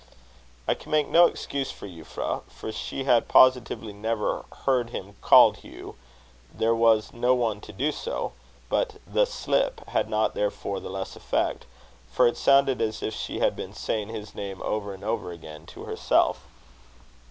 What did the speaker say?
I can make no excuse for Euphra, for she had positively never heard him called Hugh: there was no one to do so. But, the slip had not, therefore, the less effect; for it sounded as if she had been saying his name over and over again to herself.